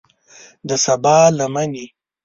د سبا لمنې